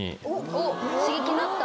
おっ刺激になった？